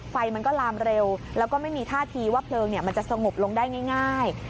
ไฟมันก็ลามเร็วแล้วก็ไม่มีท่าทีว่าเพลิงมันจะสงบลงได้ง่าย